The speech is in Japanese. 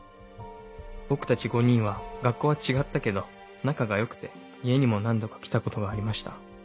僕たち５人は学校は違ったけど仲が良くて家にも何度か来たことがありました。